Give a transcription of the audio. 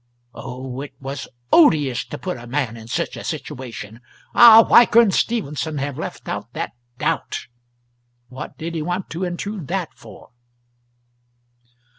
Oh, it was odious to put a man in such a situation ah, why couldn't Stephenson have left out that doubt? What did he want to intrude that for?